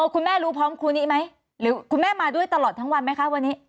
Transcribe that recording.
คุณแม่รู้พร้อมครูนี้ไหมหรือคุณแม่มาด้วยตลอดทั้งวันไหมคะวันนี้